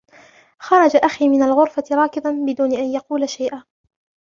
خرج أخي من الغرفة راكضا بدون أن يقول شيئا.